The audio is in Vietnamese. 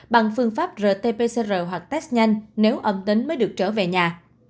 bằng phương pháp rt pcr hoặc test nhanh nếu âm tính mới được trở về nhà